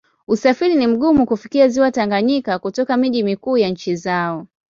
Usafiri ni mgumu kufikia Ziwa Tanganyika kutoka miji mikuu ya nchi zao.